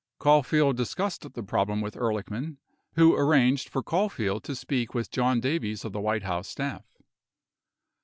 Caulfield dis cussed the problem with Ehrlichman, who arranged for Caulfield to speak with John Davies of the White House staff.